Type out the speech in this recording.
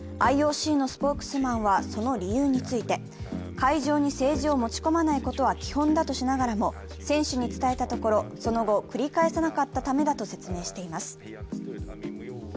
ＩＯＣのスポークスマンはその理由について、会場に政治を持ち込まないことは基本だとしながらも選手に伝えたところ、その後繰り返さなかったためだと説明しています。